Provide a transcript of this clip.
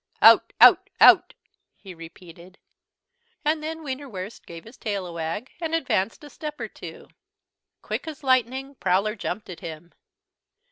"Out out out!" he repeated. And then Wienerwurst gave his tail a wag, and advanced a step or two. Quick as lightning Prowler jumped at him.